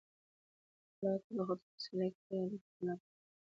کلا ته د ختلو سیالۍ کې بریالي کېدو لپاره.